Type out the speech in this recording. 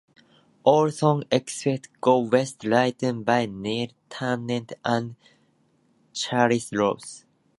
All songs except "Go West" written by Neil Tennant and Chris Lowe.